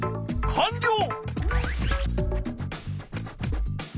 かんりょう！